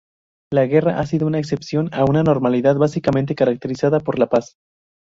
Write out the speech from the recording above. La guerra ha sido una excepción a una normalidad básicamente caracterizada por la paz.